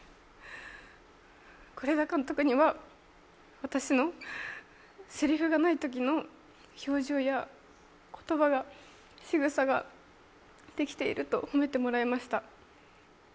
是枝監督には、私のセリフがないときの表情や言葉が、しぐさができていると褒めてもらいました。